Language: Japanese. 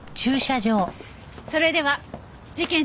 それでは事件